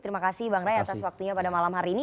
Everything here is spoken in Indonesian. terima kasih bang ray atas waktunya pada malam hari ini